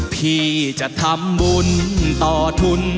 พี่จะทำบุญต่อทุน